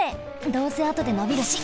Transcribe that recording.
どうせあとでのびるし！